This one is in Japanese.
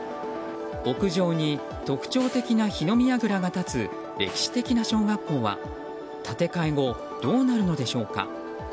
屋上に特徴的な火の見やぐらが立つ歴史的な小学校は建て替え後どうなるのでしょうか。